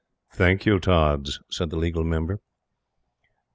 "Thank you, Tods," said the Legal Member.